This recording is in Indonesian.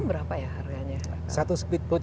berapa ya harganya satu speedboat